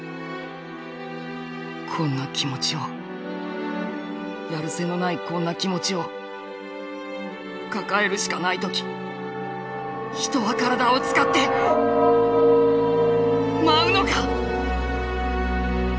「こんな気持ちをやる瀬のないこんな気持ちを抱えるしかない時人は身体を使って舞うのか」。